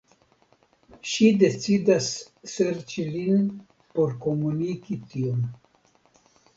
Ŝi decidas serĉi lin por komuniki tion.